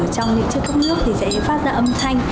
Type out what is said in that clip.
trong những chiếc cốc nước thì sẽ phát ra âm thanh